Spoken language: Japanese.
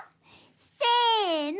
せの！